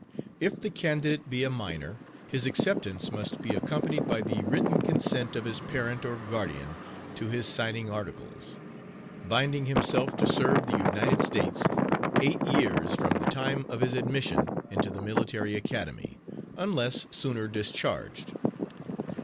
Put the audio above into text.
If the candidate be a minor, his acceptance must be accompanied by the written consent of his parent or guardian to his signing articles, binding himself to serve the United States eight years from the time of his admission into the Military Academy, unless sooner discharged.